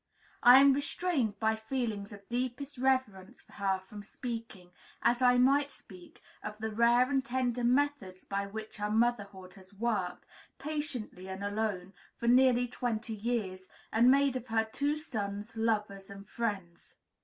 I am restrained by feelings of deepest reverence for her from speaking, as I might speak, of the rare and tender methods by which her motherhood has worked, patiently and alone, for nearly twenty years, and made of her two sons "lovers and friends."